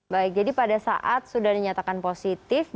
baik jadi pada saat sudah dinyatakan pcr nya